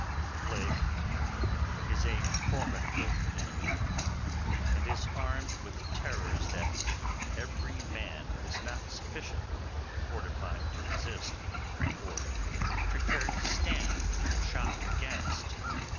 A plague is a formidable enemy, and is armed with terrors that every man is not sufficiently fortified to resist or prepared to stand the shock against.